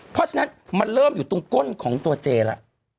เพราะฉะนั้นมันเริ่มอยู่ตรงก้นของตัวเจแล้ว